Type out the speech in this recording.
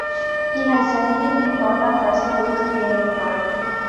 He has generally been thought of as a Lusitanian god.